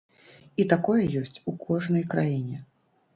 І такое ёсць у кожнай краіне.